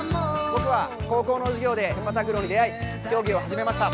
僕は高校の授業でセパタクローに出会い競技を始めました。